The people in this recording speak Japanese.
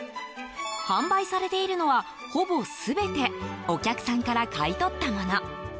販売されているのは、ほぼ全てお客さんから買い取ったもの。